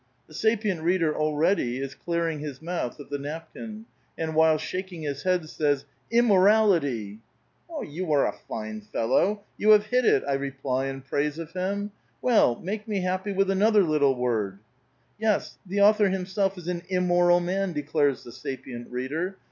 The sapient reader already is clearing his mouth of the nap kin, and, while shaking his head, says :—'' Immorality !" "You are a fine fellow! You have hit itl" I reply in praise of him. ''Well [nu], make me happy with another littfe word !"'* Yes, the author himself is an immoral man," declares the sapient reader.